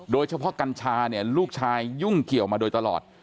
โดยเฉพาะกัญชาลูกชายยุ่งเกี่ยวมาโดยตลอด